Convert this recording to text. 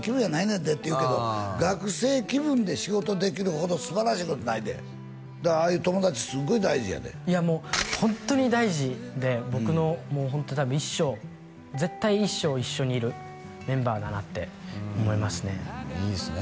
んでって言うけど学生気分で仕事できるほど素晴らしいことないでああいう友達すっごい大事やでいやもうホントに大事で僕のもうホント多分一生絶対一生一緒にいるメンバーだなって思いますねいいですね